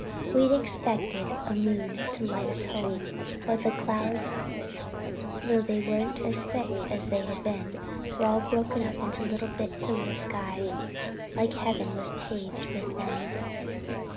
We'd expected a moon to light us home, but the clouds, though they weren't as thick as they had been, were all broken up into little bits over the sky, like Heaven was paved with them.